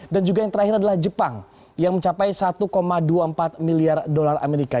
juga yang terakhir adalah jepang yang mencapai satu dua puluh empat miliar dolar amerika